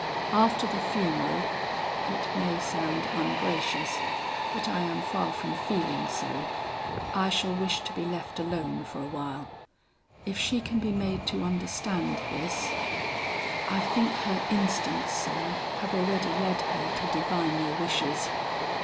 After the funeral it nay sound ungracious, but I am far from feeling so I shall wish to be left alone for awhile. If she can be made to understand this " "I think her instincts, sir, have already led her to divine your wishes.